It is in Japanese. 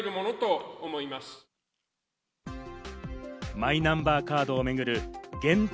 マイナンバーカードをめぐる限定